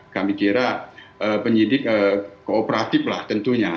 kami kira penyidik kooperatif lah tentunya